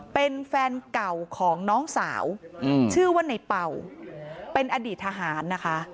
เป็นแฟนเก่าของน้องสาวชื่อว่าในเป่าเป็นอดีตทหารนะคะ